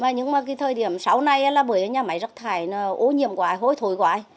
nhưng mà thời điểm sau này là bởi nhà máy rác thải ô nhiệm quá hôi thối quá